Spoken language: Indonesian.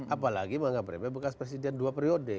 apalagi menganggap remeh bekas presiden dua periode